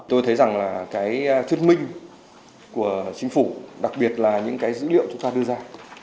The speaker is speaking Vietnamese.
tôi thấy rằng là cái thuyết minh của chính phủ đặc biệt là những cái dữ liệu chúng ta đưa ra